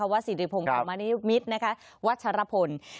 สิริพงศ์ธรรมนิมิตรวัชรพล